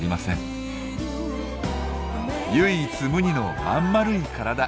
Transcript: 唯一無二のまんまるい体。